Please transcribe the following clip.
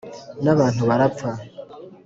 N'abantu barapfa.